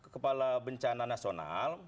kepala bencana nasional